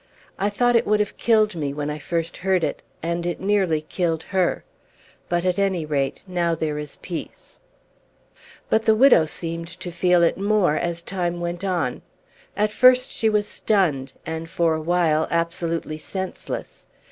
"I thought it would have killed me when I first heard it, and it nearly killed her. But, at any rate, now there is peace." But the widow seemed to feel it more as time went on. At first she was stunned, and for a while absolutely senseless.